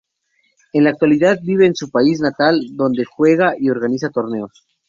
En la actualidad vive en su país natal, donde juega y organiza torneos.